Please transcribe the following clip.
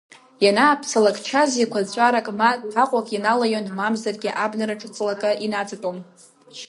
Ианааԥсалак чаз еиқәҵарак ма ҭәаҟәак иналаион, мамзаргьы абнараҿ ҵлакы инаҵатәон.